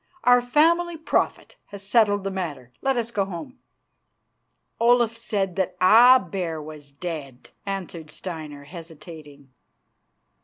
"Our family prophet has settled the matter. Let us go home." "Olaf said that a bear was dead," answered Steinar, hesitating.